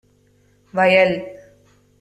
வயல்